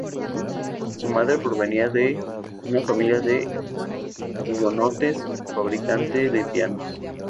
Su madre provenía de una familia de hugonotes fabricante de pianos.